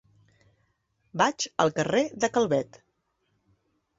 Vaig al carrer de Calvet.